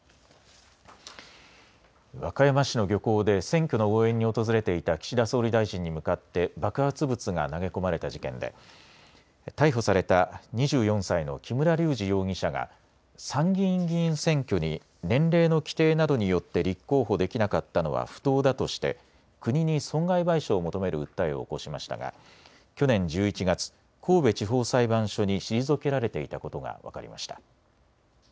和歌山市の漁港で選挙の応援に訪れていた岸田総理大臣に向かって爆発物が投げ込まれた事件で逮捕された２４歳の木村隆二容疑者が参議院議員選挙に年齢の規定などによって立候補できなかったのは不当だとして国に損害賠償を求める訴えを起こしましたが去年１１月、神戸地方裁判所に退けられていたことが分かりました。